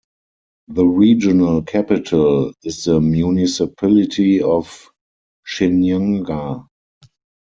The regional capital is the municipality of Shinyanga.